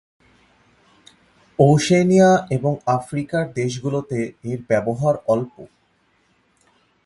Oceania এবং আফ্রিকার দেশগুলোতে এর ব্যবহার অল্প।